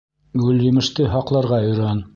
Гөлйемеште һаҡларға өйрән